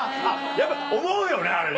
やっぱ思うよねあれね。